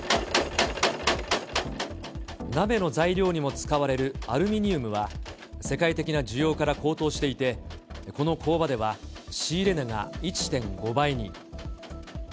鍋の材料にも使われるアルミニウムは、世界的な需要から高騰していて、この工場では、仕入れ値が１．５倍に。